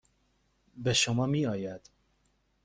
به شما میآید.